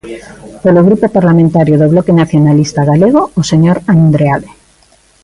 Polo Grupo Parlamentario do Bloque Nacionalista Galego, o señor Andreade.